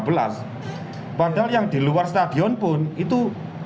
padahal yang diluar stadion pun itu